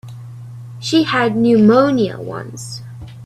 She had pneumonia once.